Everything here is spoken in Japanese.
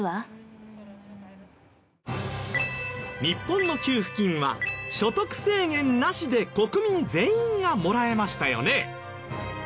日本の給付金は所得制限なしで国民全員がもらえましたよね。